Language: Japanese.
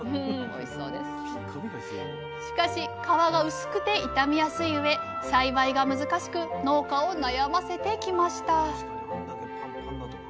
しかし皮が薄くて傷みやすいうえ栽培が難しく農家を悩ませてきました。